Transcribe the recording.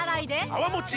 泡もち